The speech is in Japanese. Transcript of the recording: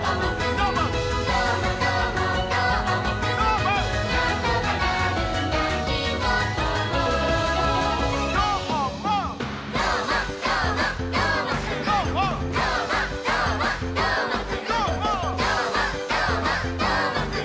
「どーもどーもどーもくん！」